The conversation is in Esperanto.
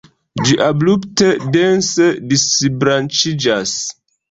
Ĝi abrupte dense disbranĉiĝas.